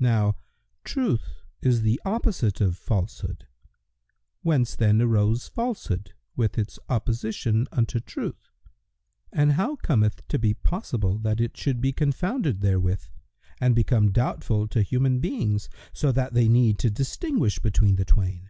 Now Truth is the opposite of Falsehood; whence then arose Falsehood with its opposition unto Truth, and how cometh it to be possible that it should be confounded therewith and become doubtful to human beings, so that they need to distinguish between the twain?